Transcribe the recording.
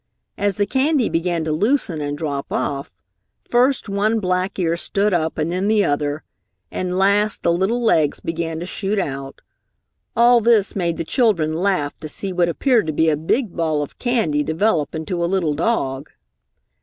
As the candy began to loosen and drop off, first one black ear stood up and then the other, and last the little legs began to shoot out. All this made the children laugh to see what appeared to be a big ball of candy develop into a little dog.